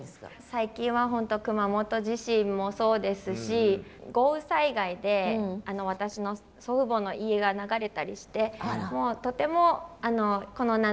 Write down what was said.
最近は本当熊本地震もそうですし豪雨災害で私の祖父母の家が流れたりしてとてもこの７年間ぐらいですね